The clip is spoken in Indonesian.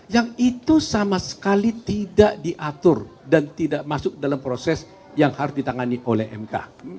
yang itu sama sekali tidak diatur dan tidak masuk dalam proses yang harus ditangani oleh mk